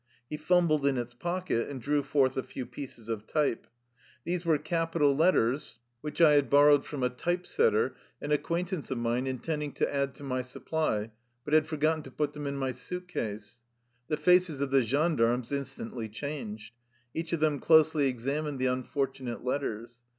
He fumbled in its pocket, and drew forth a few pieces of type. These were capital letters which 57 THE LIFE STOEY OF A RUSSIAN EXILE I had borrowed from a type setter, an acquaint ance of mine, intending to add to my supply, but had forgotten to put them in my suit case. The faces of the gendarmes instantly changed. Each of them closely examined the unfortunate let* ters.